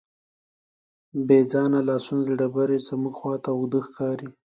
بېځانه لاسونه له ډبرې زموږ خواته اوږده ښکاري.